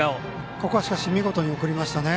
ここはしかし見事に送りましたね。